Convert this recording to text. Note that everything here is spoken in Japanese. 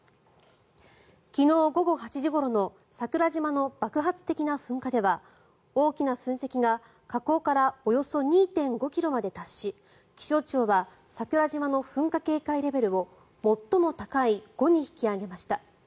昨日午後８時ごろの桜島の爆発的な噴火では大きな噴石が、火口からおよそ２．５ｋｍまで達し気象庁は桜島の噴火警戒レベルを最も高い５に引き上げました。